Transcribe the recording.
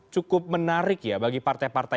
cukup menarik ya bagi partai partai